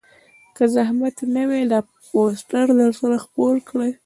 که زحمت نه وي دا پوسټر درسره خپور کړئ